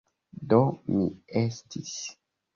Do mi estis...